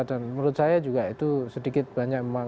dan menurut saya juga itu sedikit banyak memang